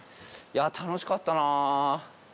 いや楽しかったな。